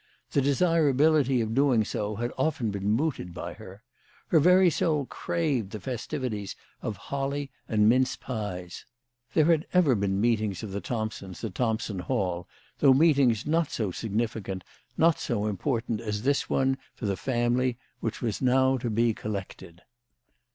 The desirability of doing so had often been mooted by her. Her very soul craved the festivities of holly and mince pies. There had ever been meetings of the Thompsons at Thompson Hall, though meetings not so significant, not so impor 204 CHRISTMAS AT THOMPSON HALL. tant to the family, as this one which was now to be collected.